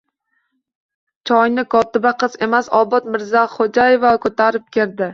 Choyni kotiba qiz emas... Obod Mirzaxo‘jaeva ko‘tarib kirdi.